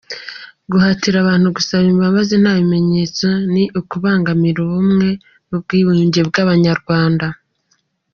Guhatira abantu gusaba imbababzi nta bimenyetso ni ukubangamira ubumwe n’ubwiyunge by’Abanyarwanda.